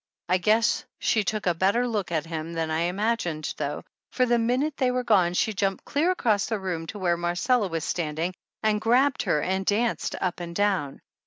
I guess she took a better look at him than I imagined though, for the minute they were gone she jumped clear across the room to where Marcella was standing and grabbed her and danced up and down.